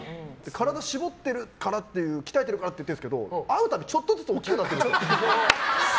体絞ってるから鍛えてるからって言ってるんだけど会うたびに、ちょっとずつ大きくなってるんですよ。